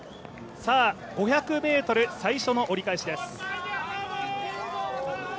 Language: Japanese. ５００ｍ、最初の折り返しです。